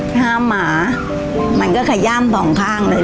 ห้ามหมามันก็ขย่ามสองข้างเลย